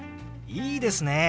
いいですね。